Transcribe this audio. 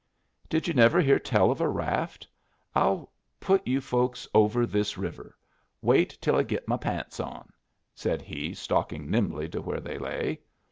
Did you never hear tell of a raft? I'll put you folks over this river. Wait till I git my pants on," said he, stalking nimbly to where they lay.